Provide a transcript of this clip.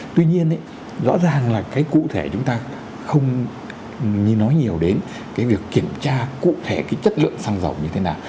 tuy nhiên rõ ràng là cái cụ thể chúng ta không nói nhiều đến cái việc kiểm tra cụ thể cái chất lượng xăng dầu như thế nào